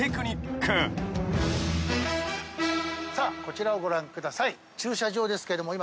さあこちらをご覧ください。